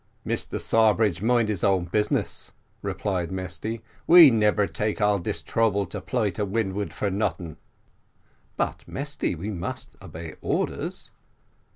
"Mr Sawbridge mind him own business," replied Mesty, "we nebber take all dis trubble to ply to windward for noting." "But, Mesty, we must obey orders."